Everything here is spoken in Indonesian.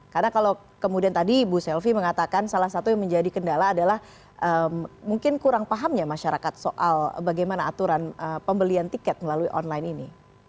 karena kalau kemudian tadi ibu selvi mengatakan salah satu yang menjadi kendala adalah mungkin kurang pahamnya masyarakat soal bagaimana aturan pembelian tiket melalui online ini